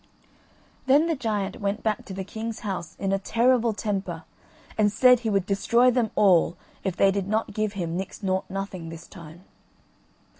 Then the giant went back to the king's house in a terrible temper and said he would destroy them all if they did not give him Nix Nought Nothing this time.